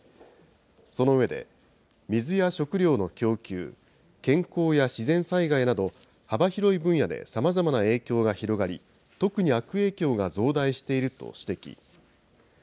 その上で、水や食料の供給、健康や自然災害など、幅広い分野でさまざまな影響が広がり、特に悪影響が増大していると指摘。